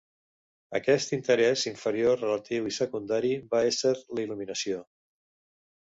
Aquest interès inferior, relatiu i secundari ve a ésser l'il·luminació…